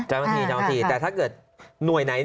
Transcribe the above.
เจ้าหน้าที่แต่ถ้าเกิดหน่วยไหน